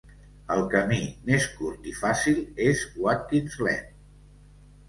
El camí més curt i fàcil és Watkins Glen.